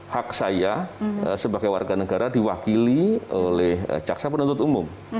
hak saya sebagai warga negara diwakili oleh caksa penuntut umum